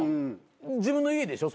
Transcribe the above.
自分の家でしょ？